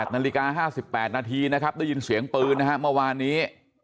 นาฬิกา๕๘นาทีนะครับได้ยินเสียงปืนนะฮะเมื่อวานนี้